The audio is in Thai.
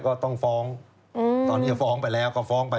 ก็ต้องฟ้องตอนนี้ฟ้องไปแล้วก็ฟ้องไป